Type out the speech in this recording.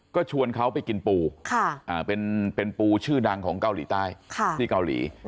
ก็ชวนเขาไปกินปูเป็นปูชื่อดังของเกาหลีใต้ที่เกาหลี